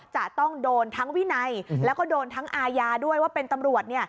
จะต้องโดนทั้งวินัยแล้วก็โดนทั้งอาญาด้วยว่าเป็นตำรวจ